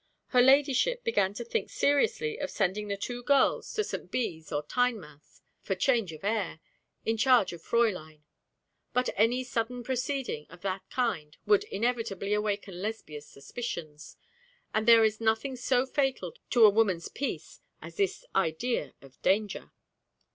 Her ladyship began to think seriously of sending the two girls to St. Bees or Tynemouth for change of air, in charge of Fräulein. But any sudden proceeding of that kind would inevitably awaken Lesbia's suspicions; and there is nothing so fatal to a woman's peace as this idea of danger.